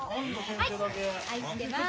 はい愛してます。